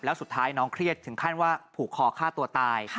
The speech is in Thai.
แล้วสุดท้ายน้องเครียดถึงขั้นว่าผูกคอฆ่าตัวตาย